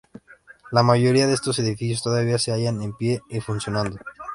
La mayoría de estos edificios todavía se hallan en pie y funcionando.